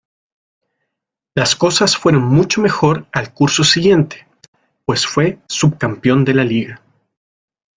Las cosas fueron mucho mejor al curso siguiente, pues fue subcampeón de liga.